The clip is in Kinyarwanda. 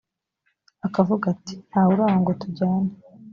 akavuga ati nta wuri aho ngo tujyane